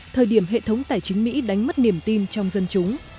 thời điểm hệ thống tài chính mỹ đánh mất niềm tin trong dân chúng